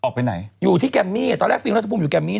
เขาเหงื่อมากแบบนี้